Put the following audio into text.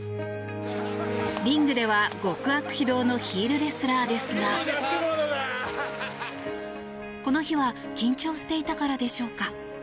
リングでは極悪非道のヒールレスラーですがこの日は緊張していたからでしょうか。